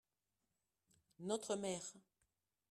Notre mère.